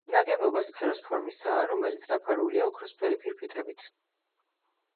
ნაგებობა სფეროს ფორმისაა, რომელიც დაფარულია ოქროსფერი ფირფიტებით.